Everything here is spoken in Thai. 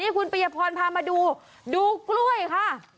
คุณปริยพรพามาดูดูกล้วยค่ะ